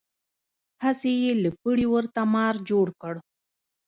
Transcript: هسې یې له پړي ورته مار جوړ کړ.